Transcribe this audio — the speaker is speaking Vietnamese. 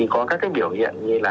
có các biểu hiện như